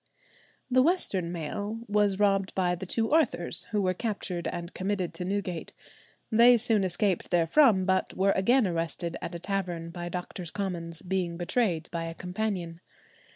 The western mail was robbed by the two Arthurs, who were captured and committed to Newgate. They soon escaped therefrom, but were again arrested at a tavern by Doctors' Commons, being betrayed by a companion.